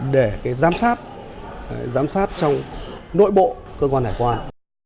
để giám sát giám sát trong nội bộ cơ quan hải quan